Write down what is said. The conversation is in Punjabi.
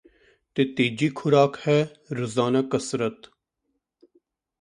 ਤੇ ਤੀਜੀ ਖੁਰਾਕ ਹੈ ਰੋਜ਼ਾਨਾ ਕਸਰਤ